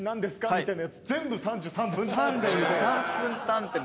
みたいなやつ全部『３３分探偵』って。